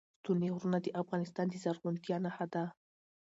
ستوني غرونه د افغانستان د زرغونتیا نښه ده.